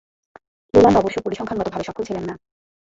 Leyland অবশ্য পরিসংখ্যানগতভাবে সফল ছিলেন না।